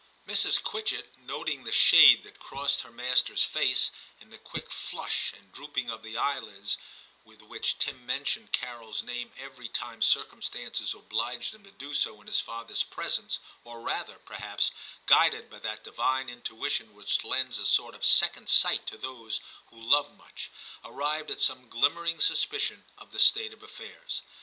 Mrs. Quitchett, noting the shade that crossed her master s face, and the quick flush and drooping of the eyelids with which Tim mentioned Carol's name every time circumstances obliged him to do so in his father's presence, or rather, perhaps, guided by that divine intuition which lends a sort of second sight to those who love much, arrived at some glimmering suspicion of the state of affairs.